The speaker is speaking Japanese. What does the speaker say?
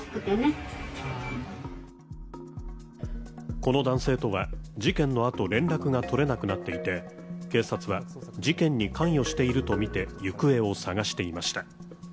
この男性とは事件のあと連絡が取れなくなっていて、警察は、事件に関与しているとみて行方を捜していました。